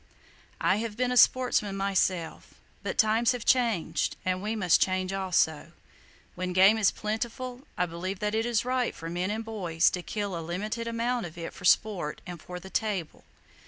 I have been a sportsman myself; but times have changed, and we must change also. When game was plentiful, I believed that it was right for men and boys to kill a limited amount of it for sport and for the table.